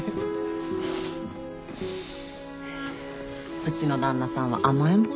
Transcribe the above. うちの旦那さんは甘えん坊だから